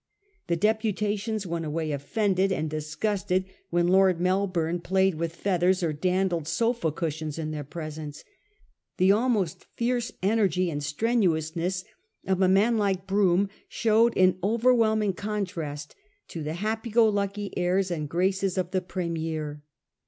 The deputations went away offended and disgusted when Lord Melbourne played with feathers or dandled sofa cushions in their presence. The almost fierce energy and strenuousness of a man like Brougham showed in overwhelming contrast to the happy go lucky airs and graces of the Premier.